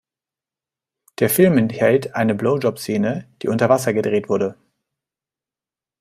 Der Film enthält eine Blowjob-Szene, die unter Wasser gedreht wurde.